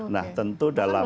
nah tentu dalam